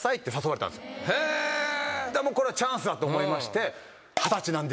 これはチャンスだと思いまして。